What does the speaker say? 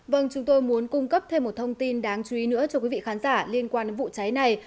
vâng chúng tôi muốn cung cấp thêm một thông tin đáng chú ý nữa cho quý vị khán giả liên quan đến vụ cháy này